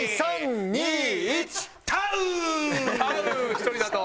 １人だと。